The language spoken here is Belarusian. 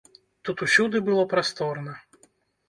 Тут усюды было прасторна.